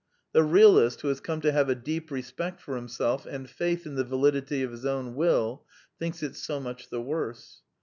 The realist, who has come to have a deep respect for himself and faith in the validity of his own will, thinks it so much the worse.